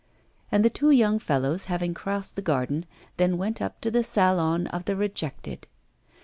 And the two young fellows, having crossed the garden, then went up to the Salon of the Rejected.